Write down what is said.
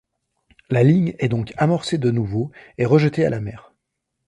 La ligne est donc amorcée de nouveau et rejetée à la mer.